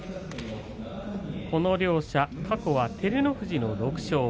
この両者、過去は照ノ富士の６勝。